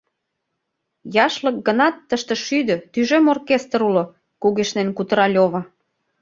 — Яшлык гынат, тыште шӱдӧ, тӱжем оркестр уло, — кугешнен кутыра Лёва.